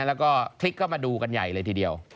แล้วก็พลิกเข้ามาดูกันใหญ่เลยทีเดียว